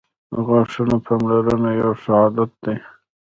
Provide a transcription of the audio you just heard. • د غاښونو پاملرنه یو ښه عادت دی.